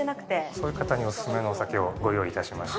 そういう方にお勧めのお酒をご用意いたしました。